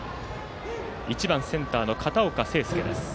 １番、センターの片岡誠亮です。